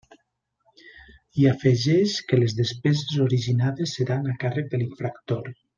I afegeix que les despeses originades seran a càrrec de l'infractor.